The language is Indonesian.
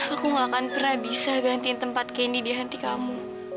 aku gak akan pernah bisa gantiin tempat kendi di hati kamu